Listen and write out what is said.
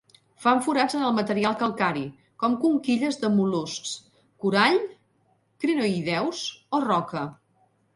Fan forats en el material calcari, com conquilles de mol·luscs, corall, crinoïdeus o roca.